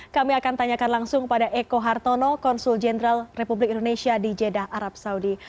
kami akan tanyakan langsung pada eko hartono konsul jenderal republik indonesia di jeddah arab saudi